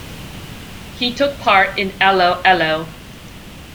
He took part in 'Allo 'Allo!